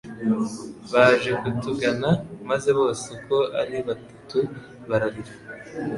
Baje kutugana maze bose uko ari batatu bararira